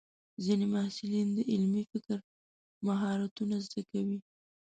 ځینې محصلین د علمي فکر مهارتونه زده کوي.